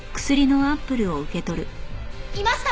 いました！